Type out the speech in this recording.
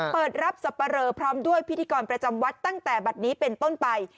เปิดรับสับปะเรอพร้อมด้วยพิธีกรประจำวัดตั้งแต่บัตรนี้เป็นต้นไป